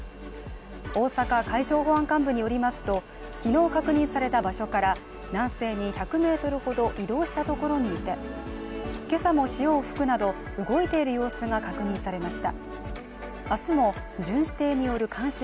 大阪海上保安監部によりますと昨日確認された場所から南西に１００ｍほど移動したところにいて今朝も潮をふくなど、動いている様子が確認されました。